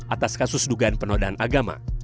atas kasus dugaan penodaan agama